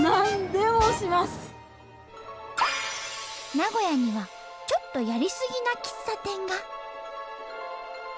名古屋にはちょっとやりすぎな喫茶店が。